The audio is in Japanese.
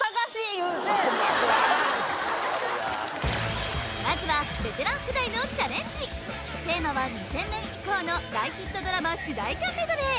言うてお前悪いまずはベテラン世代のチャレンジテーマは２０００年以降の大ヒットドラマ主題歌メドレー